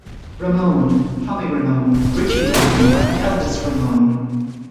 Ramone, Tommy Ramone, Richie Ramone, and Elvis Ramone.